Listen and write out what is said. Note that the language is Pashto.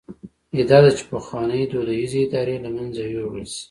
ادعا ده چې پخوانۍ دودیزې ادارې له منځه یووړل شي.